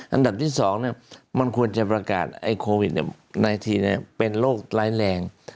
อันดับที่๒มันควรจะประกาศโควิด๑๙เป็นโรคร้ายแรง